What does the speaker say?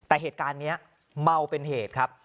แต่เหตุการณ์นี้เมาเป็นเหตุครับ